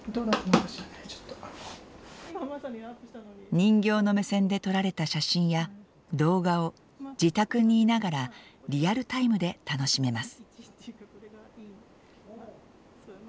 人形の目線で撮られた写真や動画を自宅にいながらリアルタイムで楽しめます。